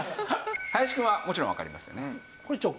林くんはもちろんわかりますよね？